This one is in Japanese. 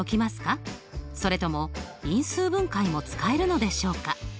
それとも因数分解も使えるのでしょうか？